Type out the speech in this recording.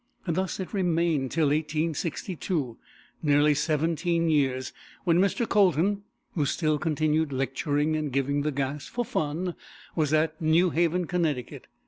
Thus it remained till 1862, nearly seventeen years, when Mr. Colton, who still continued lecturing and giving the gas "for fun," was at New Haven, Connecticut.